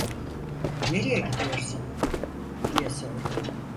"Nereye gidiyorsun?" diye sordu.